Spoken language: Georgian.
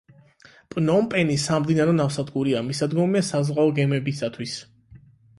პნომპენი სამდინარო ნავსადგურია, მისადგომია საზღვაო გემებისათვის.